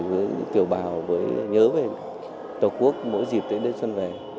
với kiều bào với nhớ về tổ quốc mỗi dịp tết đến xuân về